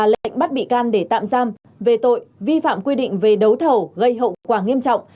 lệnh bắt bị can để tạm giam về tội vi phạm quy định về đấu thầu gây hậu quả nghiêm trọng